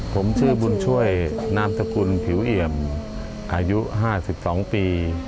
ผมชื่อบุญช่วยนามสกุลผิวเอี่ยมอายุ๕๒ปี